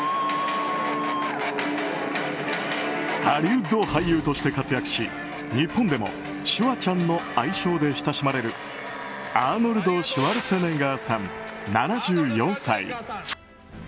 ハリウッド俳優として活躍し日本でもシュワちゃんの愛称で親しまれるアーノルド・シュワルツェネッガーさん７４歳。